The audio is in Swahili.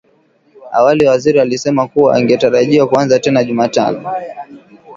Awali waziri alisema kuwa ingetarajiwa kuanza tena Jumatano